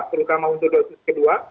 terutama untuk dosis kedua